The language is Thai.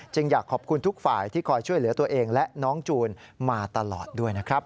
อยากขอบคุณทุกฝ่ายที่คอยช่วยเหลือตัวเองและน้องจูนมาตลอดด้วยนะครับ